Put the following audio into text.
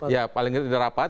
ya paling tidak rapat